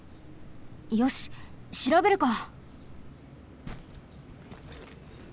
よししらべるか！